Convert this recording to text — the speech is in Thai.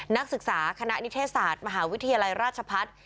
นักศึกษาคณะนิเทศศาสตร์มหาวิทยาลัยราชพัฒน์